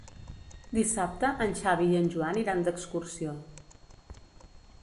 Dissabte en Xavi i en Joan iran d'excursió.